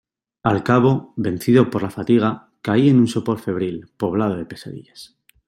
al cabo, vencido por la fatiga , caí en un sopor febril , poblado de pesadillas.